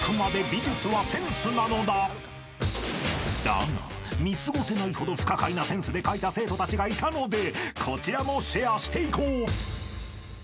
［だが見過ごせないほど不可解なセンスで描いた生徒たちがいたのでこちらもシェアしていこう］